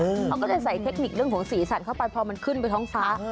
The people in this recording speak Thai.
เขาก็เลยใส่เทคนิคเรื่องของสีสันเข้าไปพอมันขึ้นไปท้องฟ้า